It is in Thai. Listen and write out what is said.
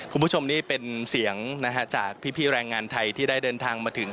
คุณผู้ชมนี่เป็นเสียงจากพี่แรงงานไทยที่ได้เดินทางมาถึง